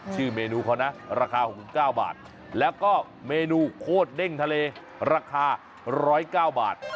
ชื่อเมนูเขานะราคา๖๙บาทแล้วก็เมนูโคตรเด้งทะเลราคา๑๐๙บาท